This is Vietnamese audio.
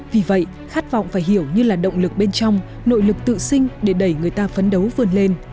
vì vậy khát vọng phải hiểu như là động lực bên trong nội lực tự sinh để đẩy người ta phấn đấu vươn lên